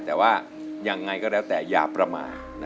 แต่ว่ายังไงก็แล้วแต่อย่าประมาท